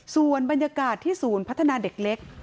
ส่วนบรรยากาศที่ศูนย์พัฒนาเด็กเล็ก